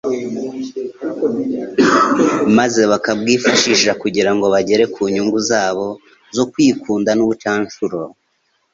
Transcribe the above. maze bakabwifashisha kugira ngo bagere ku nyungu zabo zo kwikunda n'ubucanshuro.